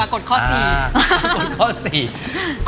มาต่อก่อนข้อ๔